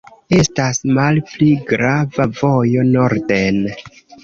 Estas malpli grava vojo norden.